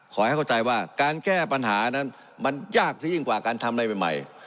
ขอให้เข้าใจว่าการแก้ปัญหานั้นมันยากซะยิ่งกว่าการทำอะไรใหม่